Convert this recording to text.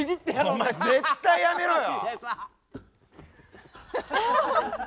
お前絶対やめろよ！